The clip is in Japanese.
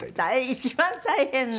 一番大変な。